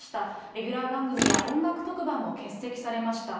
レギュラー番組や音楽特番も欠席されました。